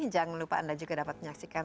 jangan lupa anda juga dapat menyaksikan